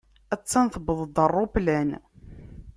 A-tt-an tewweḍ-d ṛṛuplan.